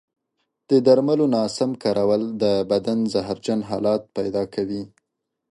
د درملو ناسم کارول د بدن زهرجن حالت پیدا کوي.